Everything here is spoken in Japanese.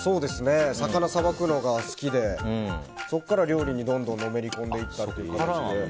魚さばくのが好きでそこから料理にどんどんのめり込んでいった感じで。